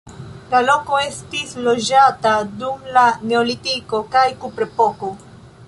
La loko estis loĝata dum la neolitiko kaj kuprepoko.